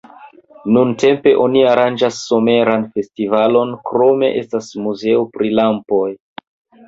Nuntempe oni aranĝas someran festivalon, krome estas muzeo pri lampoj.